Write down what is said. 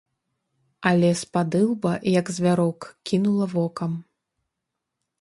Але спадылба, як звярок, кінула вокам.